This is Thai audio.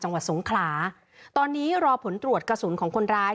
จังหวัดสงขลาตอนนี้รอผลตรวจกระสุนของคนร้าย